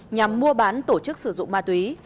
nhằm mua bán tổ chức sử dụng ma túy